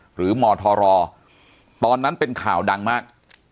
หรือมทรตอนนั้นเป็นข่าวดังมาก